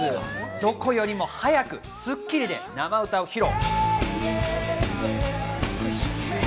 どこよりも早く『スッキリ』で生歌を披露。